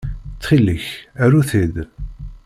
Ttxil-k, aru-t-id.